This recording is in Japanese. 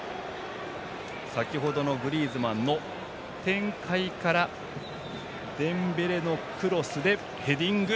先程のグリーズマンの展開からデンベレのクロスでヘディング。